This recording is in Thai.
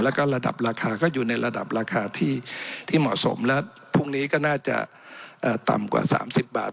แล้วก็ระดับราคาก็อยู่ในระดับราคาที่เหมาะสมและพรุ่งนี้ก็น่าจะต่ำกว่า๓๐บาท